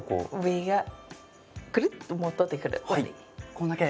これだけ？